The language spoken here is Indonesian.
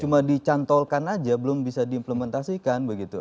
cuma dicantolkan aja belum bisa diimplementasikan begitu